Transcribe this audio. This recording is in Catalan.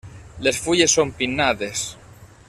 Les fulles són pinnades.